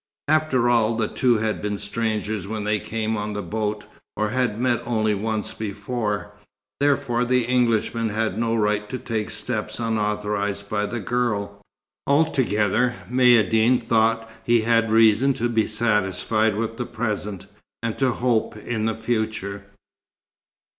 After all, the two had been strangers when they came on the boat, or had met only once before, therefore the Englishman had no right to take steps unauthorized by the girl. Altogether, Maïeddine thought he had reason to be satisfied with the present, and to hope in the future.